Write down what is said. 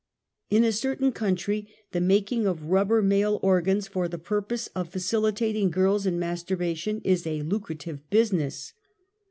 In a certain country the making of rubber male ^ organs for the ji^nrpose of facilitating girls in mastur bation, is a lucrative business.